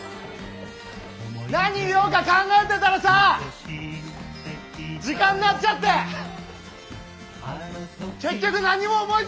何言おうか考えてたらさ時間になっちゃって結局何にも思いつかなかったわ。